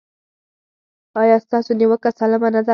ایا ستاسو نیوکه سالمه نه ده؟